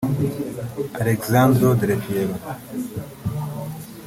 Alessandro del Pierro